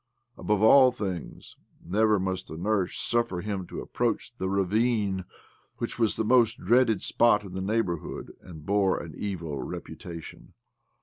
Above all things, never must the nurse suffer him to approach the ravine, which was the most dreaded spot in the neighbourhood, and bore an evil reputation.